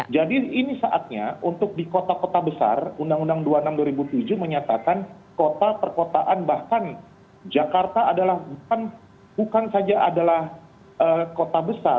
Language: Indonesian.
jadi ini saatnya untuk di kota kota besar undang undang dua puluh enam dua ribu tujuh menyatakan kota perkotaan bahkan jakarta adalah bukan saja adalah kota besar